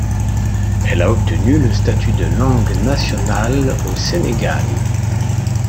Elle a obtenu le statut de langue nationale au Sénégal.